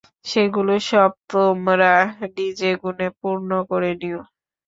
সেগুলো সব তোমরা নিজগুণে পূর্ণ করে নিও।